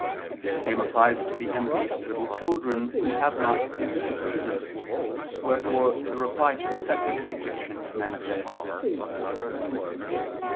The same applies to the envy of little children who have not the use of reason: wherefore the Reply to the Second Objection is manifest.